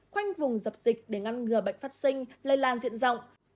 khoanh vùng dập dịch để ngăn ngừa bệnh phát sinh lây lan diện rộng